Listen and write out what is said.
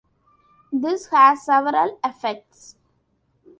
This has several effects.